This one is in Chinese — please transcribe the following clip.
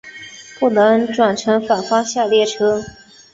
不能转乘反方向列车。